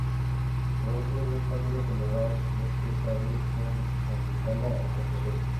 Los otros dos partidos celebrados en este estadio fueron contra Italia y contra Suecia.